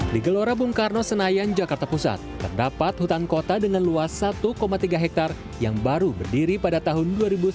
di gelora bung karno senayan jakarta pusat terdapat hutan kota dengan luas satu tiga hektare yang baru berdiri pada tahun dua ribu sepuluh